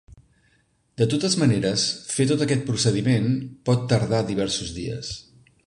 De totes maneres, fer tot aquest procediment, pot tardar diversos dies.